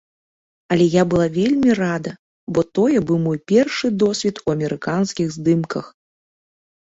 Але я была вельмі рада, бо тое быў мой першы досвед у амерыканскіх здымках.